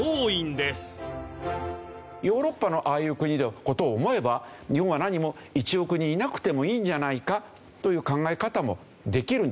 ヨーロッパのああいう国の事を思えば日本は何も１億人いなくてもいいんじゃないかという考え方もできるんですけど。